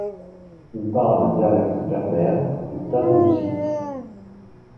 Ils parlent un dialecte berbère, le tasoussit.